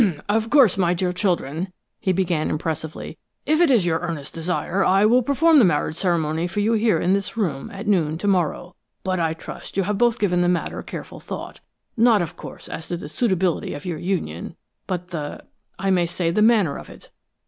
"Of course, my dear children," he began, impressively, "if it is your earnest desire, I will perform the marriage ceremony for you here in this room at noon to morrow. But I trust you have both given the matter careful thought not, of course, as to the suitability of your union, but the I may say, the manner of it!